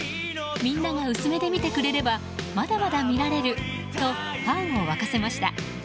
みんなが薄目で見てくれればまだまだ見られるとファンを沸かせました。